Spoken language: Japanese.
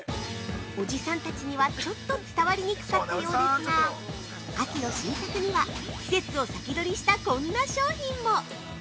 ◆おじさんたちにはちょっと伝わりにくかったようですが秋の新作には、季節を先取りしたこんな商品も！